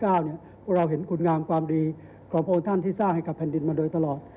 เราเห็นคุณงามความดีของพระองค์ท่านที่สร้างให้กับแผ่นดินมาโดยตลอด